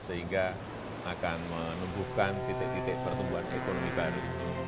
sehingga akan menumbuhkan titik titik pertumbuhan ekonomi baru